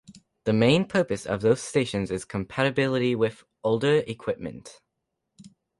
The main purpose of those stations is compatibility with older equipment.